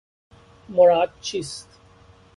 مراد چیست